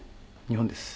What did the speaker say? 日本です。